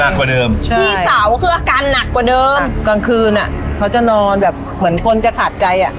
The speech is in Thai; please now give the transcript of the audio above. กว่าเดิมใช่มีเสาคืออาการหนักกว่าเดิมกลางคืนอ่ะเขาจะนอนแบบเหมือนคนจะขาดใจอ่ะ